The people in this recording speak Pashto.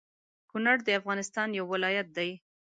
کونړ د افغانستان يو ولايت دى